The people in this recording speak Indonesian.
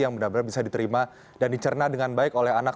yang benar benar bisa diterima dan dicerna dengan baik oleh anak